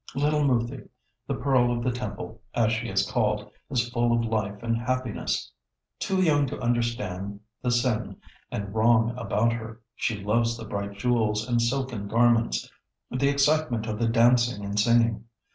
Little Moothi, the Pearl of the Temple, as she is called, is full of life and happiness. Too young to understand the sin and wrong about her, she loves the bright jewels and silken garments, the excitement of the dancing and singing.